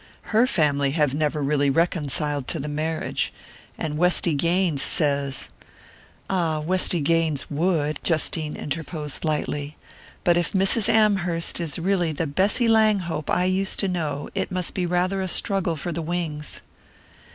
Her family have never been really reconciled to the marriage; and Westy Gaines says " "Ah, Westy Gaines would," Justine interposed lightly. "But if Mrs. Amherst is really the Bessy Langhope I used to know it must be rather a struggle for the wings!"